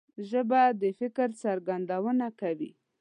ژبه د فکر څرګندونه کوي